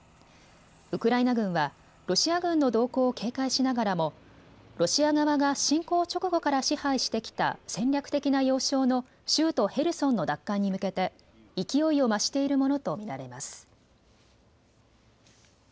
ウクライナ軍はロシア軍の動向を警戒しながらもロシア側が侵攻直後から支配してきた戦略的な要衝の州都ヘルソンの奪還に向けて勢いを増しているものと見られます。